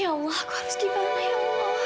ya allah aku harus gimana ya allah